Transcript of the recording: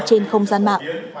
trên không gian mạng